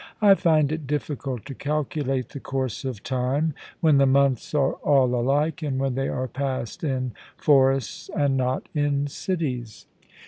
I find it difficult to calculate the course of time when the months are all alike, and when they are passed in forests and not in cities.'